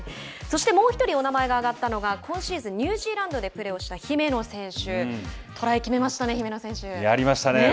そしてもう１人お名前が上がったのが今シーズン、ニュージーランドでプレーした姫野選手。